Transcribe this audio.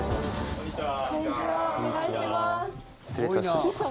こんにちは。